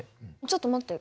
ちょっと待って。